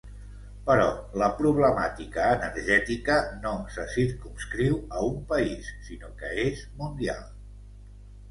Però la problemàtica energètica no se circumscriu a un país, sinó que és mundial.